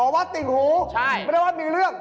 วัดติ่งหูไม่ได้วัดมีเรื่อง